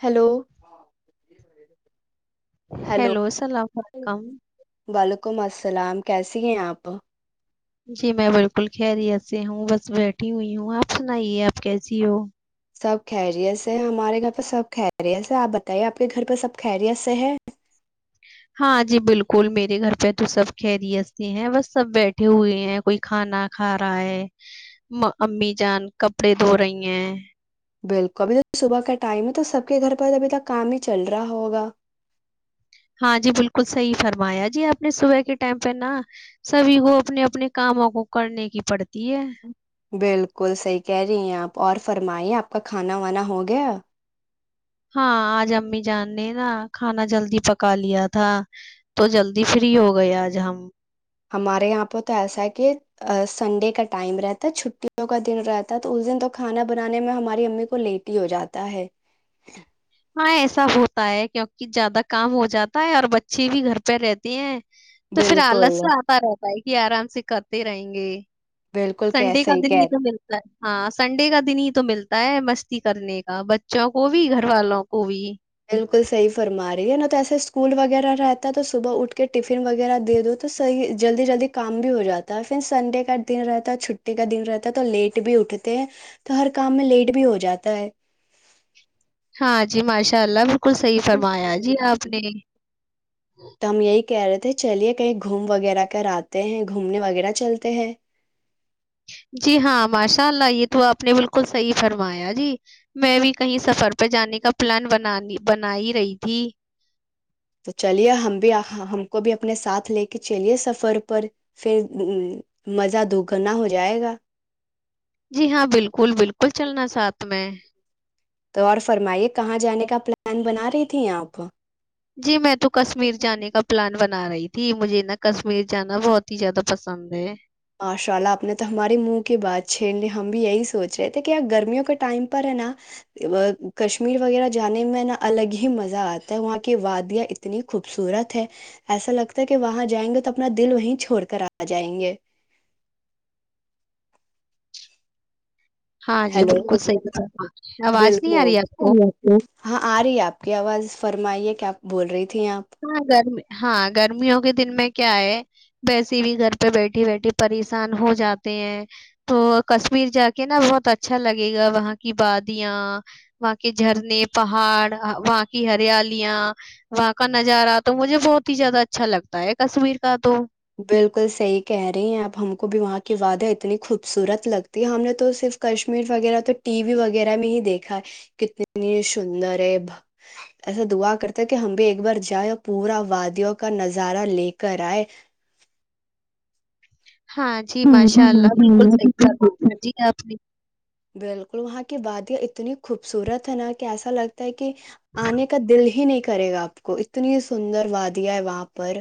hello hello السلام علیکم ولیکم السلام کیسی ہیں آپ جی میں بالکل خیریت سے ہوں بس بیٹھی ہوئی ہوں آپ سنائیے آپ کیسی ہو سب خیریت سے ہے ہمارے گھر پہ سب خیریت ہے آپ بتائیے آپ کے گھر پہ سب خیریت سے ہے ہاں جی بالکل میرے گھر پہ تو سب خری ہستتے ہیں بس سب بیٹھے ہوئے ہیں کوئی کھانا کھا رہا ہے امی جان کپڑے دھو رہی ہیں بالکل ابھی صبح کا ٹائم ہے تو سب کے گھر پر ابھی تک کام ہی چل رہا ہوگا ہاں جی بالکل صحیح فرمایا جی آپ نے صبح کے ٹائم پہ نا سبھی کو اپنے اپنے کاموں کو کرنے کی پڑتی ہے بالکل صحیح کہہ رہی ہیں آپ اور فرمائی آپ کا کھانا وانا ہو گیا ہاں آج امی جان نے نا کھانا جلدی پکا لیا تھا تو جلدی فری ہو گئے آج ہم ہمارے یہاں پہ تو ایسا ہے کہ سنڈے کا ٹائم رہتا ہے چھٹیوں کا دن رہتا ہے تو اس دن تو کھانا بنانے میں ہماری امی کو لیٹ ہی ہو جاتا ہے ہاں ایسا ہوتا ہے کیونکہ زیادہ کام ہو جاتا ہے اور بچے بھی گھر پہ رہتے ہیں تو پھر آلس بالکل سے آتا رہتا ہے یہ آرام سے کرتے رہیں گے بالکل کہ سنڈے کا صی دن ہی کہہ رہی تو ملتا ہے ہاں سنڈے کا دن ہی تو ملتا ہے مستی کرنے کا بچوں کو بھی گھر والوں کو کو بھی بالکل صحیح فرما رہی ہے نا تو ایسے سکول وغیرہ رہتا ہے تو صبح اٹھ کے ٹفن وغیرہ دے دو تو جلدی جلدی کام بھی ہو جاتا ہے سنڈے کا دن رہتا ہے چھٹی کا دن رہتا تو لیٹ بھی اٹھتے ہیں تو ہر کام میں لیٹ بھی ہو جاتا ہے ہاں جی ماشاء اللہ بالکل صحیح فرمایا جی آپ نے تو ہم یہی کہہ رہے تھے چلیے کہیں گھوم وغیرہ کر آتے ہیں گھومنے وغیرہ چلتے ہیں جی ہاں ماشاء اللہ یہ تو آپ نے بالکل صحیح فرمایا جی میں بھی کہیں سفر پہ جانے کا پلان بن بن ہی رہی تھی تو چلیے ہم بھی ہم کو بھی اپنے ساتھ لے کے چلیے سفر پر پھر مزہ دوگنا ہو جائے گا جی ہاں بالکل بالکل چلنا ساتھ میں ہے تو اور فرمائیے کہاں جانے کا پلان بنا رہی تھھی آپ جی میں تو کشمیر جانے کا پلان بنا رہی تھی مجھے نا کشمیر جانا بہت ہی زیادہ پسند ہے ماشاء اللہ آپ نے تو ہمارے منہ کی بات چھیڑ لی ہم بھی یہی سوچ رہے تھے کہ گرمیوں کے ٹائم پر ہے نا کشمیر وغیرہ جانے میں نا الگ ہی مزہ آتا ہے وہاں کی وادیاں اتنی خوبصورت ہے ایسا لگتا ہے کہ وہاں جائیں گے تو اپنا دل وہیں چھوڑ کر آ جائیں گے ہاں جی ہیلو بالکل صحیح بتا آواز نہیں آ بالکل رہی آپ کو ہاں آ رہی ہے آپ کی آواز فرمائیے کیا بول رہی ت ہاں گرمی ہاں گرمیوں کیی تو دن میں کیا ہے ویسے بھی گھر پہ بیٹھی بیٹھی پریشان ہو جاتے ہیں تو کشمیر جا کے نا بہت اچھا لگے گا وہاں کی بادیاں وہاں کے جھرنے پہاڑ وہاں کی ہریالیاں کا نظارہ تو مجھے بہت ہی زیادہ اچھا لگتا ہے کشمیر کا تو بالکل صحیح کہہ رہی ہیں اپ ہم کو بھی وہاں کی وادیں اتنی خوبصورت لگتی ہے ہم نے تو صرف کشمیر وغیرہ تو ٹی وی وغیرہ میں ہی دیکھا ہے کتنی سندر ہے ایسا دعا کرتا کہ ہم بھی ایک بار جائ اور پورا وادیوں کا نظارہ لے کر آئے ہاں جی ماشاء اللہ بالکل صحیح گ جی آپ نے بالکل وہاں کی وادیاں اتنی خوبصورت ہے نا کہ ایسا لگتا ہے کہ کہ آنے کا دل ہی نہیں کرے گا آپ کو اتنی سندر وادیا ہے وہاں پر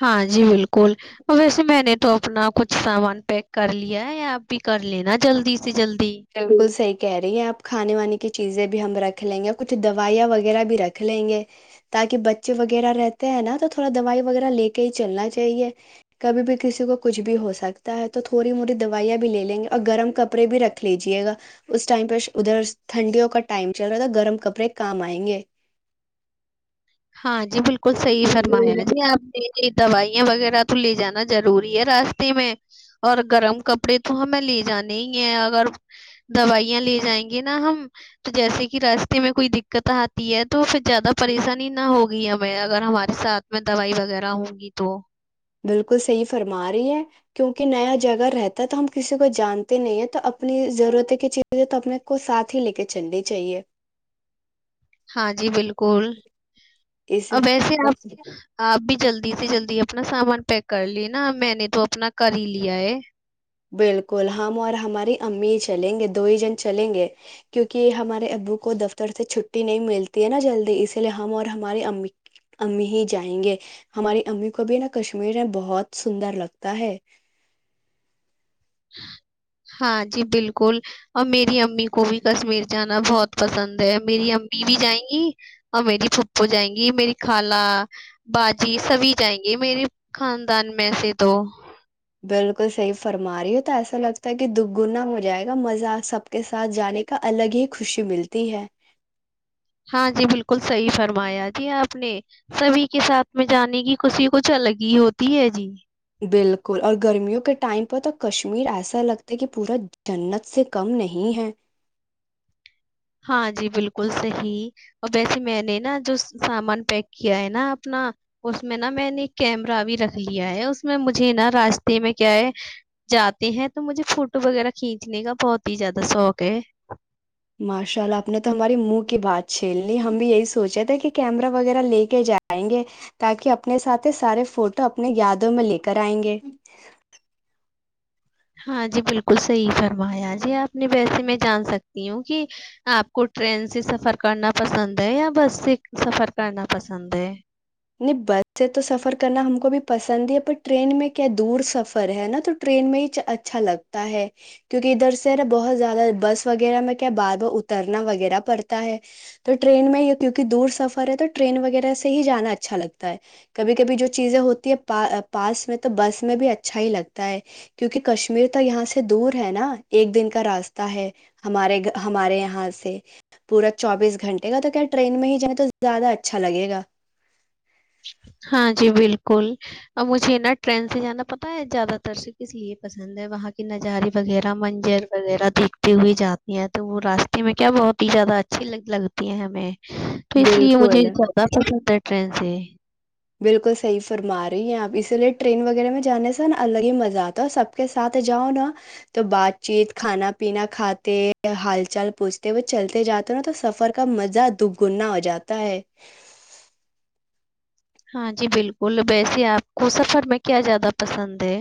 ہاں جی بالکل ویسے میں نے تو اپنا کچھ سامان پیک کر لیا ہے آپ بھی کر لینا جلدی سے جلدی بالکل صحی کہہ رہی ہیں آپ کھانے وے کی چیزیں بھی ہم رکھ لیں گے اور کچھ دوائیاں وغیرہ بھی رکھ لیں گے تاکہ بچے وغیرہ رہتے ہیں نا تو تھوڑا دوائی وغیرہ لے کے ہی چلنا چاہیے کبھی بھی کسی کو کچھ بھی ہو سکتا ہے تو تھوڑی موی دوائیاں بھی لے لیں گے اور گرم کپڑے بھی رکھ لیجیے گا اس ٹائم پہ ادھر ٹھنڈیوں کا ٹائم چل رہا تھا گرم کپڑے کام آئیں گے ہاں جی بالکل صحی فرمایا جی آپ نے ج دوائیاں وغیرہ تو لے جانا ضروری ہے راستے میں اور گرم کپڑے تو ہمیں لے جانے ہی ہیں اگر دوائیاں لے جائیں گے نا ہم تو جیسے کہ راستے میں کوئی دقت آتی ہے تو پھر زیادہ پریشانی ت ہوگی ہمیں اگر ہمارے ساتھ میں دوائی وغیرہ ہوںگی تو بالکل صحیح فرما رہی ہے کیونکہ نیا جگہ رہتا ہے تو ہم کسی کو جانتے نہیں ہیں تو اپنی ضرورتیں کی چیزیں تو اپنے کو ساتھ ہی لے کے چلنی چاہیے ہاں جی بالکل اور ویسے آپ اس آ بھی جلدی سے جلدی اپنا سامان پیک کر لے نا میں نے تو اپنا کر ہی لیا ہے بالکل ہم اور ہماری امی چلیں گے دو ہی جن چلیں گے کیونکہ ہمارے ابو کو دفتر سے چھٹی نہیں ملتی ہے نا جلدی اسی لیے ہم اور ہماری امی امی ہی جائیں گے ہماری امی کو بھی نا کشمیر میں بہت سندر لگتا ہے ہاں جی بالکل اور میری امی کو بھی کشمیر جانا بہت پسند ہے میری امی بھی جائیں گی اور میری پھپو جائیں گی میری خالہ باجی سبھی جائیں گی میرے خاندان میں سے دو بالکل صحیح فرما رہی ہو تو ایسا لگتا ہے کہ دگنا ہو جائے گا مزہ سب کے ساتھ جانے کا الگ ہی خوشی ملتی ہے ہاں جی بالکل صحیح فرمایا جی آپ اپنے سبھی کے ساتھ میں جانے کی خش کچھ الگ ہی ہوتی ہے جی بالکل اور گرمیوں کے ٹائم پر تو کشمیر ایسا لگتا ہے کہ پورا جنت سے کم نہیں ہے ہاں جی بالکل صحیح اور ویسے میں نے نا جو سامان پیک کیا ہے نا اپنا اس میں نا میں نے ایک کیمرہ بھی رکھ لیا ہے اس میں مجھے نا راستے میں کیا ہے جاتے ہیں تو مجھے فوٹو وغیرہ کھینچنے کا بہت ہی زیادہ شوق ہے ماشاء اللہ آپ نے تو ہماراری منہ کی بات چھیل لی ہم بھی یہی سوچے تھے کہ کیمرا وغیرہ لے کے جائیں گے تاکہ اپنے ساتھ سارے فوٹو اپنی یادوں میں لے کر آئیں گے ہاں جی بالکل صحیح فرمایا جی آپ نے ویسے میں جان سکتی ہوں کہ آپ کو ٹرین سے سفر کرنا پسند ہے یا بس سے سفر کرنا پسند ہے نہیں بس سے تو سفر کرنا ہم کو بھی پسند ہی ہے پر ٹرین میں کیا دور سفر ہے نا تو ٹرین میں ہی اچھا لگتا ہے کیونکہ ادھر سے بہت زیادہ بس وغیرہ میں کیا بار بار اترنا وغیرہ پڑتا ہے تو ٹرین میں ہی کیونکہ دور سفر ہے تو ٹرین وغیرہ سے ہی جانا اچا اچھا لگتا ہے کبھی کبھی جو چیزیں ہوتی ہےا پاس میں تو بس میں بھی اچھا ہی لگتا ہے کیونکہ کشمیر تو یہاں سے دور ہے نا ایک دن کا راستہ ہے ہمارے ہمارے یہاں سے پورا چوبیس گھنٹے کا تو کیا ٹرین میں ہی جائیں تو زیادہ اچھا لگے گا ہاں جی بالکل ا مجھے فرینڈ سے جانا پتا ہے زیادہ تر سے کس لیے پسند ہے وہاں کے نظارے وغیرہ منجر وغیرہ دیکھتے ہوئے جاتی ہیں تو وہ راستے میں کیا بہت ہی زیادہ اچھی لگ لگتی ہیں ہمیں تو اس لیے مجھے بالکل زیادہ پسند ہے فنسی بالکل صحیح فرما رہی ہیں آپ اسی لیے ٹرین وغیرہ میں جانے سے نا الگ ہی مزہ آتا ہے سب کے ساتھ جاؤ نا تو بات چیت کھانا پینا کھاتے ہال چال پوچھتے وہ چلتے جاتے ہو نا تو سفر کا مزہ دگنا ہو جاتا ہے ہاں جی بالکل ویسے آپ کو سفر میں کیا زیادہ پسند ہے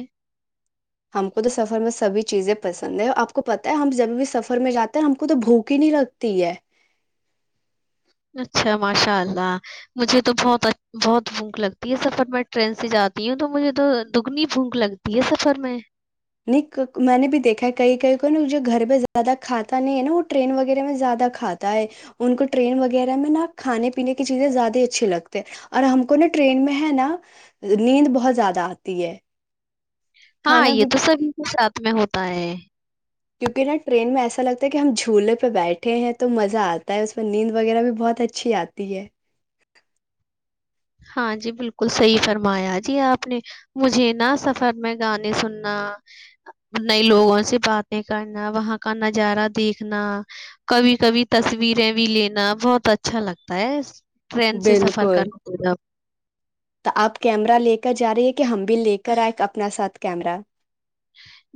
ہم کو تو سفر میں سبھی چیزیں پسند ہے آپ کو پت ہے ہم جب بھی سفر میں جاتے ہیں ہم کو تو بھوک ہی نہیں لگتی ہے اچھا ماشاء اللہ مجھے تو بہت بہت بھوک لگتی ہے سفر میں ٹرین سے جاتی ہوں تو مجھے تو دگنی بھوک لگتی ہے سفر میں نہیں میں نے بھی دیکھا ہے کئی کئی کو نا جو گھر پہ زیادہ کھاتا نہیں ہے نا وہ ٹرین وغیرہ میں زیادہ کھاتا ہے ان کو ٹرین وغیرہ میں نا کھانے پینے کی چیزیں زیادہ اچھی لگتے ہیں اور ہم کو نا ٹرین میں ہے نا نیند بہت زیادہ آتی ہے ہاں کھانا آئیے بھی تو سبھی کے سھ میں ہوتا تائیں کیونکہ نا ٹرین میں ایسا لگتا ہے کہ ہم جھولے پہ بیٹھے ہیں تو مزہ آتا ہے اس میں نیند وغیرہ بھی بہت اچھی آتی ہے ہاں جی بالکل صحیح فرمایا جی آپ نے مجھے نا سفر میں گانے سننا نئے لوگوں سے باتیں کرنا وہاں کا نظارہ دیکھنا کبھی کبھی تصویریں بھی لینا بہت اچھا لگتا ہے ٹرین سے سفر کر بالکل تو آپ کیمرا لے کر جا رہے یہ کہ ہم بھی لے کر آئے اپنا ساتھ کیمرا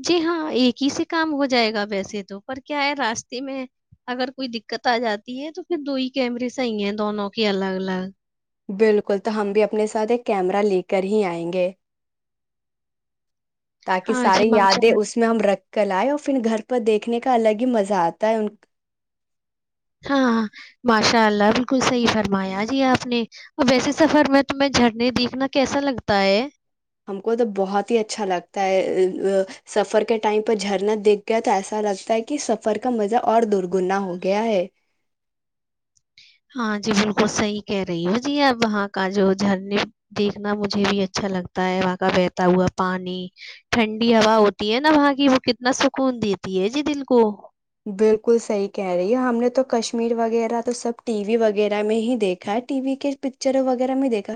جی ہاں ایک ہی سے کام ہو جائے گا ویسے تو پر کیا ہے راستے میں اگر کوئی دقت آ جاتی ہے تو پھر دو ہی کیمرے صحیح ہیں دونوں کے الگ الگ بالکل تو ہم بھی اپنے ساتھ ایک کیمرہ لے کر ہی آئیں گے تاکہ ہاں جی ساری یادیں ماشاء اس میں ہم رکھ کر لائےیں اور انھر گھر پر دیکھنے کا الگ ہی مزہ آتا ہے ان ہاں ماشاء اللہ بالکل صحیح فرمایا جی آپ نے ا ویسے سفر میں تمہیں جھرنے دیکھنا کیسا لگتا ہے ہم کو تو بہت ہی اچھا لگتا ہے سفر کے ٹائم پہ جھرنا دیکھ گیا تو ایسا لگتا ہے کہ سفر کا مزہ اور درگنا ہو گیا ہے ہاں جی بالکل صحیح کہہ رہی ہوں جی اب وہاں کا جو جھرنے دیکھنا مجھے بھی اچھا لگتا ہے وہاں کا بہتا ہوا پانی ٹھنڈی ہوا ہوتی ہے نا وہاں کی وہ کتنا سکون دیتی ہے جی دل کو بالکل صحیح کہہ رہی ہے ہم نے تو کشمیر وغیرہ تو سب ٹی وی وغیرہ میں ہی دیکھا ہے ٹی وی کے پکچروں وغیرہ میں دیکھا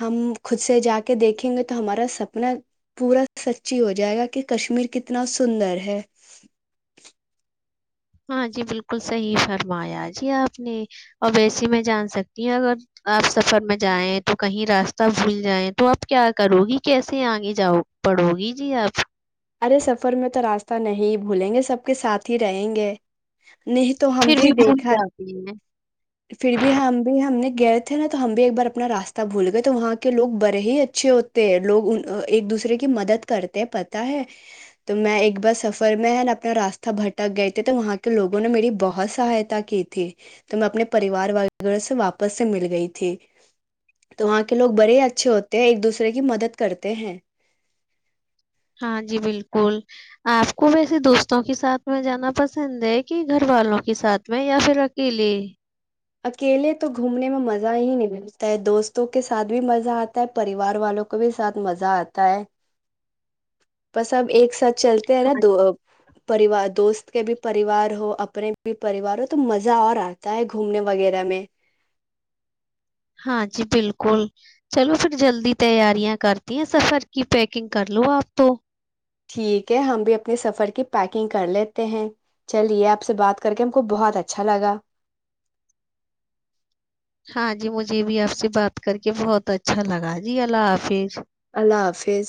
ہم خود سے جا کے دیکھیں گے تو ہمارا سپنا پورا سچی ہو جائے گا کہ کشمیر کتنا سندر ہے ہاں جی بالکل صحیح فرمایا جی آپ نے اور ویسے میں جان سکتی ہوں اگر آپ سفر میں جائیں تو کہیں راستہ بھول جائیں تو آپ کیا کرو گی کیسے آگے جاؤ پڑو گی جی آپ ارے سفر میں تو راستہ نہیں بھولیں گے سب کے ساتھ ہی رہیں گے نہیں تو ہم پھر بھی بھول دیکھا جاتی ہیں پھر بھی ہم بھی ہم نے گئے تھے نا تو ہم بھی ایک بار اپنا راستہ بھول گئے تو وہاں کے لوگ بڑے ہی اچھے ہوتے ہیں لوگ ایک دوسرے کی مدد کرتے ہیں تو میں ایک بار سفر میں ہے اپنا راستہ بھٹک گئے تھے تو وہاں کے لوگوں نے میری بہت سہایتا کی تھی تو میں اپنے پریوار وغیرہ سے واپس سے مل گئی تھی تو وہاں کے لوگ بڑے اچھے ہوتے ہیں ایک دوسرے کی مدد کرتے ہیں ہاں جی بالکل آپ کو ویسے دوستوں کے ساتھ میں جانا پسند ہے کہ گھر والوں کے ساتھ میں یا پھر اکیلے اکیلے تو گھومنے میں مزہ ہی نہیں ملتا ہے دوستوں کے ساتھ بھی مزہ آتا ہے پریوار والوں کو بھی ساتھ مزہ آتا ہے بس اب ایک سچ چلتے ہیں نا ہاں دو پریوار دوست کے بھی پریوار ہو اپنے بھی پریوار ہو تو مزہ اور آتا ہے گھومنے وغیرہ میں ہاں جی بالکل چلو پھر جلدی تیاریاں کرتی ہیں سفر کی پیکنگ کر لو آپ تو ٹھیک ہے ہم بھی اپنے سفر کی پیکنگ کر لیتے ہیں چلیے آپ سے بات کر کے ہم کو بہت اچھا لگا ہاں جی مجھے بھی آپ سے بات کر کے بہت اچھا لگا جی اللہ حافظ اللہ حافظ